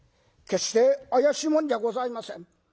「決して怪しい者じゃございません。